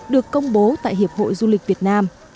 được công bố tại hiệp hội du lịch việt nam